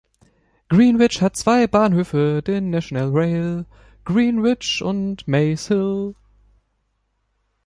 Greenwich hat zwei Bahnhöfe der National Rail, Greenwich und Maze Hill.